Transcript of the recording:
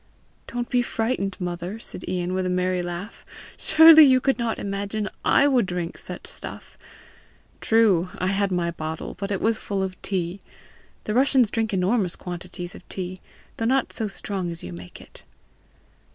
"Don't be frightened, mother!" said Ian, with a merry laugh. "Surely you do not imagine I would drink such stuff! True, I had my bottle, but it was full of tea. The Russians drink enormous quantities of tea though not so strong as you make it."